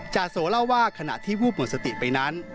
จาโสเล่าว่าขณะที่วูบหมดสติไปนั้น